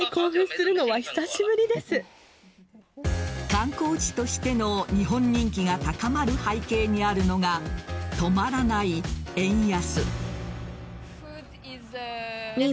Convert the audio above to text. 観光地としての日本人気が高まる背景にあるのが止まらない円安。